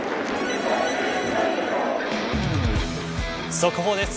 速報です。